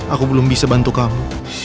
aku belum bisa bantu kamu